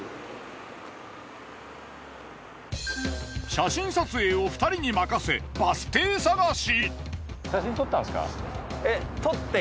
写真撮影を２人に任せバス停探し！